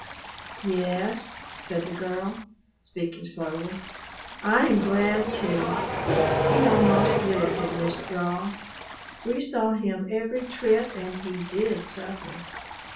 "Yes," said the girl; speaking slowly. "I am glad, too. He almost lived in this draw. We saw him every trip and he did suffer.